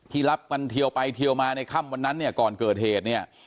ที่รับมันเทียวไปเทียวมาในค่ำวันนั้นก่อนเกิดเหตุ